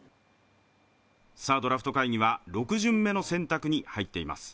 ドラフト会議は６巡目の選択に入っています。